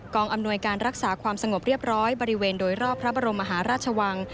อำนวยการรักษาความสงบเรียบร้อยบริเวณโดยรอบพระบรมมหาราชวัง